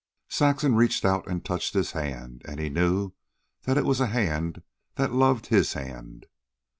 Saxon reached out and touched his hand, and he knew that it was a hand that loved his hand.